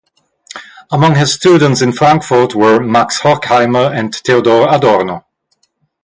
Among his students in Frankfurt were Max Horkheimer and Theodor Adorno.